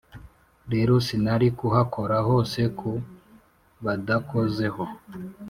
Rero sinari kuhakora hose ku badakozeho.